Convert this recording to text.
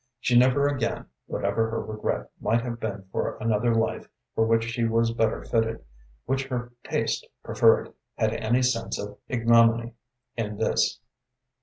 She never again, whatever her regret might have been for another life for which she was better fitted, which her taste preferred, had any sense of ignominy in this.